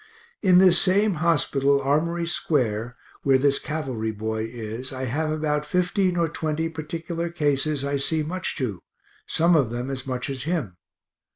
In this same hospital, Armory square, where this cavalry boy is, I have about fifteen or twenty particular cases I see much to some of them as much as him.